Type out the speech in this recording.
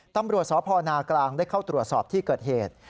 ตำรวจสพนากลางได้เข้าตรวจสอบที่เกิดเหตุ